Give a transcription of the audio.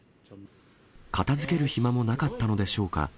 片づける暇もなかったのでしょうか。